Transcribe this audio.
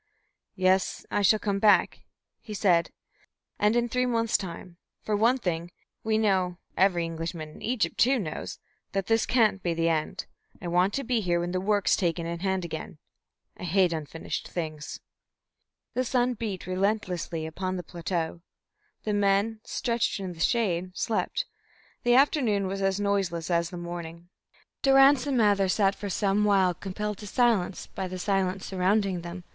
"Yes, I shall come back," he said, "and in three months' time. For one thing, we know every Englishman in Egypt, too, knows that this can't be the end. I want to be here when the work's taken in hand again. I hate unfinished things." The sun beat relentlessly upon the plateau; the men, stretched in the shade, slept; the afternoon was as noiseless as the morning; Durrance and Mather sat for some while compelled to silence by the silence surrounding them.